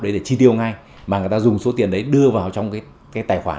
để chi tiêu ngay mà người ta dùng số tiền đấy đưa vào trong tài khoản